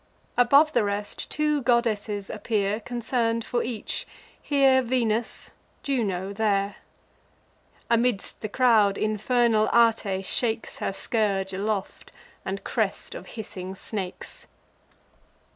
Above the rest, two goddesses appear Concern'd for each: here Venus, Juno there. Amidst the crowd, infernal Ate shakes Her scourge aloft, and crest of hissing snakes.